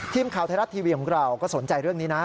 ทีมข่าวไทยรัฐทีวีของเราก็สนใจเรื่องนี้นะ